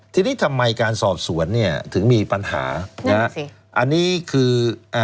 ทีนี้ทำไมการสอบสวนเนี่ยถึงมีปัญหานะฮะอันนี้คืออ่า